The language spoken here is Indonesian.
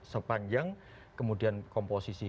sepanjang kemudian komposisi